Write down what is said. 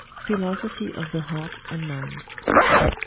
Philosophy of the Heart and Mind.